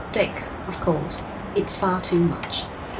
'Dick, of course, eats far too much.'